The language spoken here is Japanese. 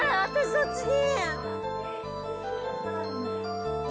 そっちに。